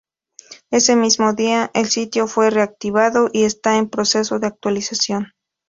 Ese mismo día, el sitio fue reactivado y está en proceso de actualización.